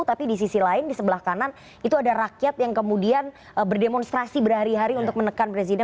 tapi di sisi lain di sebelah kanan itu ada rakyat yang kemudian berdemonstrasi berhari hari untuk menekan presiden